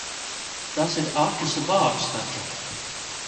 Tas ir akas vāks taču.